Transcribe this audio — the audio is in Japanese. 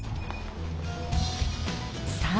さあ